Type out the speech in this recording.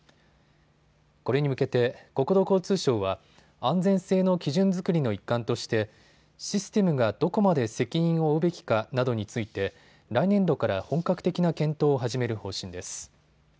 これに向けて国土交通省は安全性の基準作りの一環としてシステムがどこまで責任を負うべきかなどについて来年度から本格的な検討を始める方針です。